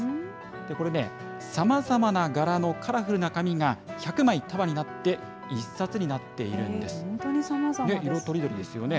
これね、さまざまな柄のカラフルな紙が１００枚、束になって一冊になって本当にさまざまですね。